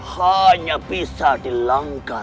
hanya bisa dilanggar